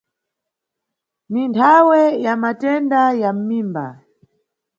Ni nthawe ya matenda ya mʼmimba.